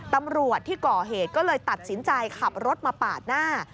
ตำรวจที่ก่อเหตุก็เลยตัดสินใจขับรถมาปาดหน้า